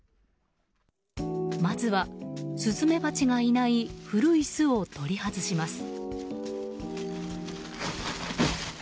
まずはスズメバチがいない古い巣を取り外します。